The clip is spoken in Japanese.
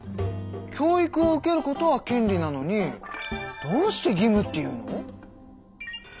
教育を受けることは権利なのにどうして義務っていうの？